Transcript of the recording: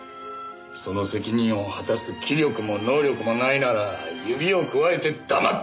その責任を果たす気力も能力もないなら指をくわえて黙って見てろ！